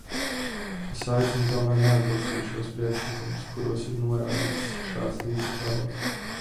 Es aicinu tomēr neatbalstīt šos priekšlikumus, kuros ir norādīts šāds līdzekļu avots.